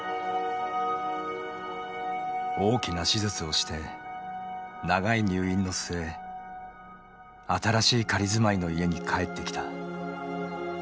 大きな手術をして長い入院の末新しい仮住まいの家に「帰って」きた。